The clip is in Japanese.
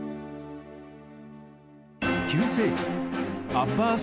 ９世紀アッバース